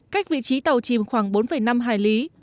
cách vị trí tàu chìm khoảng bốn năm hải lý